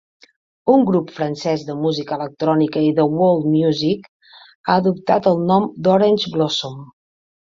Un grup francès de música electrònica i de world music ha adoptat el nom d'Orange Blossom.